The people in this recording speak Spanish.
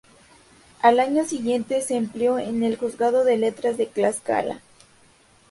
Al año siguiente se empleó en el Juzgado de Letras de Tlaxcala.